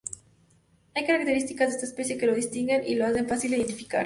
Hay características de esta especie que lo distinguen y lo hacen fácil de identificar.